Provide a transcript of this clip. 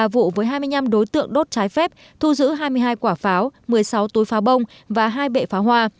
hai mươi vụ với hai mươi năm đối tượng đốt trái phép thu giữ hai mươi hai quả pháo một mươi sáu túi pháo bông và hai bệ pháo hoa